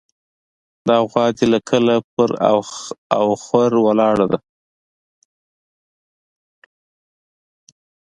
دا غوا دې له کله پر اخور ولاړه ده.